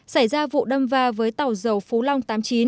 xảy ra vụ đâm va với tàu dầu phú long tám mươi chín